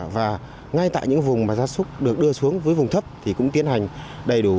và ngay tại những vùng mà gia súc được đưa xuống với vùng thấp thì cũng tiến hành đầy đủ